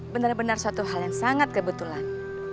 benar benar suatu hal yang sangat kebetulan